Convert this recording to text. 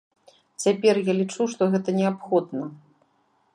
Цяпер я лічу, што гэта неабходна.